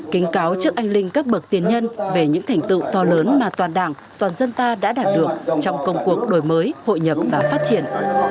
kính cáo trước anh linh các bậc tiền nhân về những thành tựu to lớn mà toàn đảng toàn dân ta đã đạt được trong công cuộc đổi mới hội nhập và phát triển